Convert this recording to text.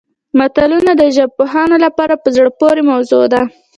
متلونه د ژبپوهانو لپاره په زړه پورې موضوع ده